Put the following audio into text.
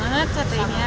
enak banget satenya